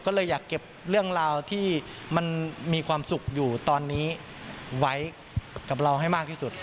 ก็เลยอยากเก็บเรื่องราวที่มันมีความสุขอยู่ตอนนี้ไว้กับเราให้มากที่สุด